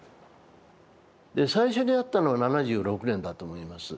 最初に会ったのは７６年だと思います。